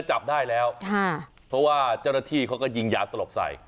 จับได้แล้วค่ะเพราะว่าเจ้าหน้าที่เขาก็ยิงยาสลบใส่